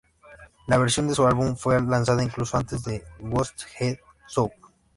La versión de su álbum fue lanzada incluso antes de "Goats Head Soup".